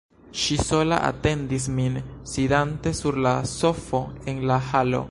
Ŝi sola atendis min, sidante sur la sofo en la halo.